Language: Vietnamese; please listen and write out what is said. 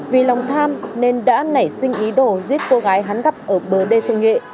vì lòng tham nên đã nảy sinh ý đồ giết cô gái hắn gặp ở bờ đê xuân nhuệ